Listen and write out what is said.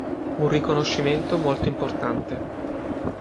Un riconoscimento molto importante.